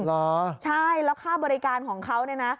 เหรอใช่แล้วค่าบริการของเขาเนี่ยนะ